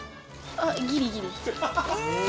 あっギリギリ。